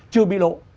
chưa bị lộ